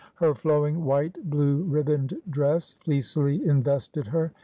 Her flowing, white, blue ribboned dress, fleecily invested her.